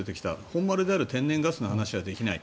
本丸である天然ガスの話はできない。